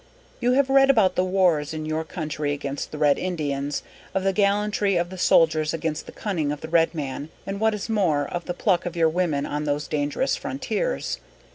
_ _You have read about the Wars in your country against the Red Indians, of the gallantry of your soldiers against the cunning of the Red Man, and what is more, of the pluck of your women on those dangerous frontiers.